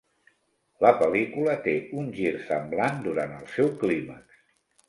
La pel·lícula té un gir semblant durant el seu clímax.